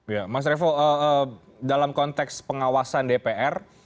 ya mas revo dalam konteks pengawasan dpr